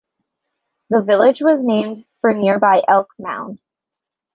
The village was named for nearby Elk Mound.